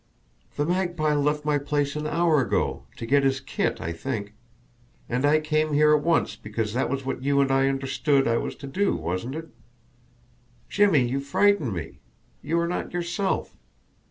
"The Magpie left my place an hour ago to get his kit, I think. And I came here at once because that was what you and I understood I was to do, wasn't it? Jimmie, you frighten me! You are not yourself.